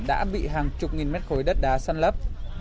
đã bị hàng chục nghìn mét khối đất đá săn lấp